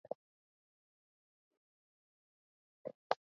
ესე იგი, სამს აკლდება ორი.